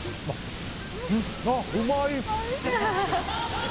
あっ、うまい！